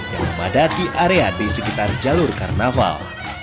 yang memadati area di sekitar jalur karnaval